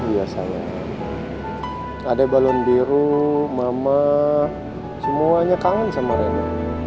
biasa ada balon biru mama semuanya kangen sama rena